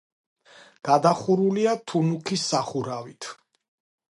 გადახურულია თუნუქის სახურავით.